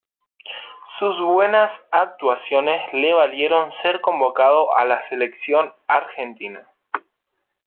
Sus buenas actuaciones le valieron ser convocado a la Selección Argentina.